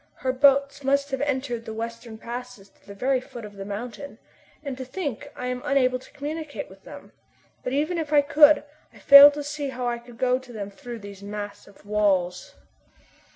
Her boats must have entered the western passes to the very foot of the mountain. And to think I am unable to communicate with them! But even if I could, I fail to see how I could go to them through these massive walls."